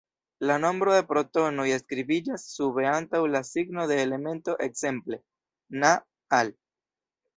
La nombro de protonoj skribiĝas sube antaŭ la signo de elemento, ekzemple: Na, Al.